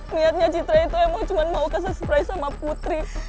niatnya citra itu emang cuma mau ke susprise sama putri